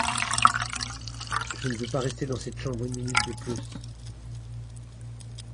Je ne veux pas rester dans cette chambre une minute de plus.